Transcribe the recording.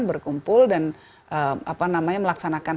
berkumpul dan melaksanakan